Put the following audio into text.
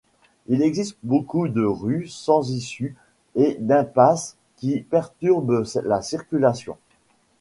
Il existe beaucoup de rues sans issue et d'impasses qui perturbent la circulation.